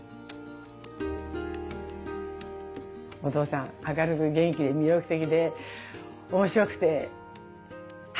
お父さん明るく元気で魅力的で面白くてハンサムで。